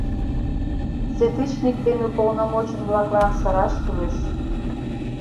Сетычник ден уполномочын-влаклан сыраш кӱлеш.